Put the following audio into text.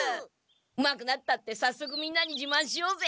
うまくなったってさっそくみんなに自まんしようぜ！